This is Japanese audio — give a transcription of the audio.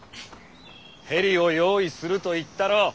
ヘリを用意すると言ったろう。